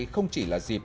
không chỉ là dịp